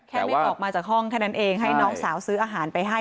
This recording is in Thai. ไม่ออกมาจากห้องแค่นั้นเองให้น้องสาวซื้ออาหารไปให้